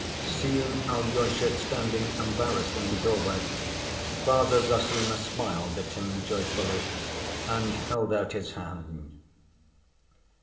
Seeing Alyosha standing embarrassed in the doorway, Father Zossima smiled at him joyfully and held out his hand.